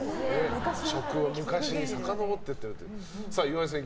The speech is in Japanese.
食を昔にさかのぼっていってるという。